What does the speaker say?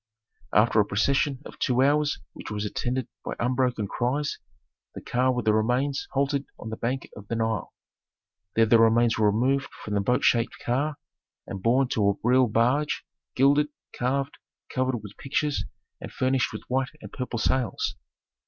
After a procession of two hours which was attended by unbroken cries, the car with the remains halted on the bank of the Nile. There the remains were removed from the boat shaped car and borne to a real barge gilded, carved, covered with pictures, and furnished with white and purple sails.